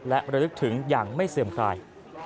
และระลึกถึงอย่างไม่เสื่อมคลาย